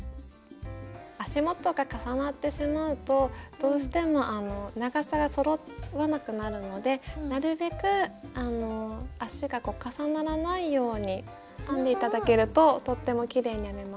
足元が重なってしまうとどうしても長さがそろわなくなるのでなるべく足が重ならないように編んで頂けるととってもきれいに編めます。